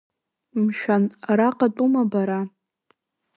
Мшәан, араҟатәума, бара?